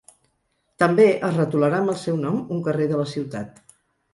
També es retolarà amb el seu nom un carrer de la ciutat.